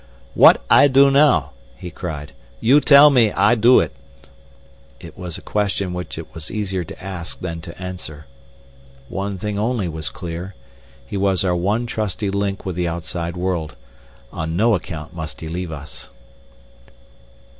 "What I do now?" he cried. "You tell me and I do it." It was a question which it was easier to ask than to answer. One thing only was clear. He was our one trusty link with the outside world. On no account must he leave us.